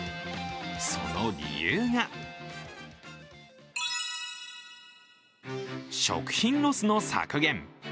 その理由が食品ロスの削減。